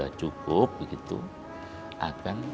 jadi ini adalah peran yang harus diperhatikan